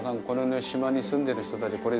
この島に住んでる人たち